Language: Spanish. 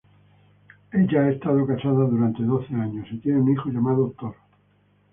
Ella ha estado casada durante doce años y tiene un hijo, llamado Thor.